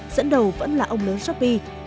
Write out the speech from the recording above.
dẫn đầu vẫn là ông lớn shopee